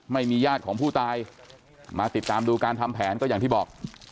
ญาติของผู้ตายมาติดตามดูการทำแผนก็อย่างที่บอก